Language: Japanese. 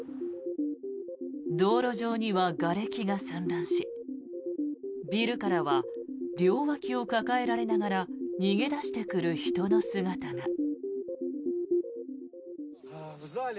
道路上にはがれきが散乱しビルからは両脇を抱えられながら逃げ出してくる人の姿が。